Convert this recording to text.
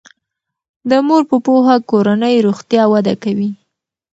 د مور په پوهه کورنی روغتیا وده کوي.